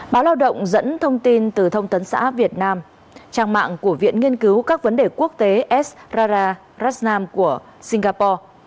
báo lao động dẫn thông tin từ tổng thân xã việt nam trang mạng của viện nghiên cứu các vấn đề quốc tế esrara rasnam của singapore